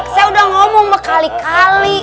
saya udah ngomong berkali kali